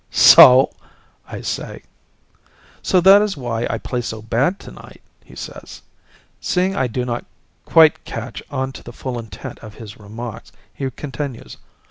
"So?" I say. "So that is why I play so bad tonight," he says. Seeing I do not quite catch on to the full intent of his remarks, he continues.